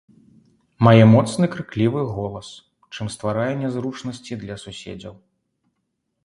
Мае моцны крыклівым голас, чым стварае нязручнасці для суседзяў.